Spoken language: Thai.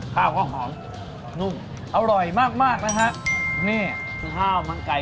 ข้าวก็หอมนุ่มอร่อยมากมากนะฮะนี่คือข้าวมันไก่